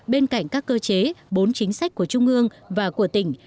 bên cạnh các cơ chế bốn chính sách của trung ương và của tỉnh